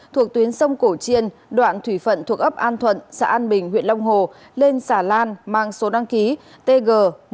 thuộc tuyến sông cổ chiên đoạn thủy phận thuộc ấp an thuận xã an bình huyện long hồ lên xã lan mang số đăng ký tg một mươi bốn nghìn bảy trăm một mươi sáu